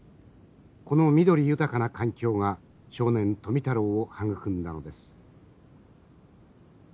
この緑豊かな環境が少年富太郎を育んだのです。